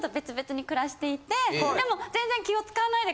でも。